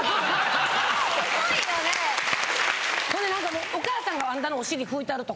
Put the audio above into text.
ほんでお母さんがあんたのお尻拭いたると。